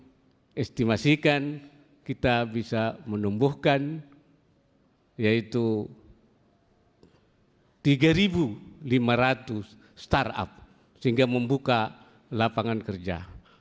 jadi estimasikan kita bisa menumbuhkan yaitu tiga lima ratus startup sehingga membuka lapangan kerja